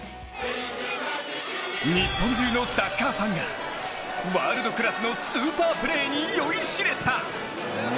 日本中のサッカーファンがワールドクラスのスーパープレーに酔いしれた。